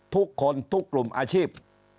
ทุกคนทุกกลุ่มอาชีพ